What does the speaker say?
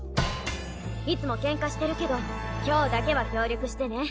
いつもケンカしてるけど今日だけは協力してね。